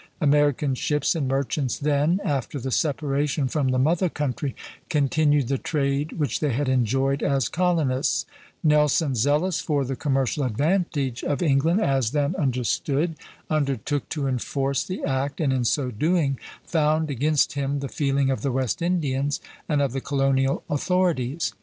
American ships and merchants then, after the separation from the mother country, continued the trade which they had enjoyed as colonists; Nelson, zealous for the commercial advantage of England as then understood, undertook to enforce the act, and in so doing found against him the feeling of the West Indians and of the colonial authorities.